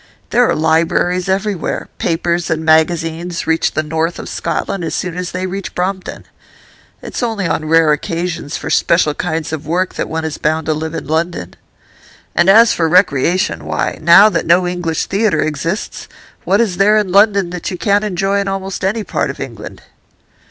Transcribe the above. There are libraries everywhere; papers and magazines reach the north of Scotland as soon as they reach Brompton; it's only on rare occasions, for special kinds of work, that one is bound to live in London. And as for recreation, why, now that no English theatre exists, what is there in London that you can't enjoy in almost any part of England?